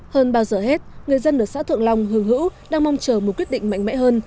hơn bao giờ hết người dân ở xã thượng long hương hữu đang mong chờ một quyết định mạnh mẽ hơn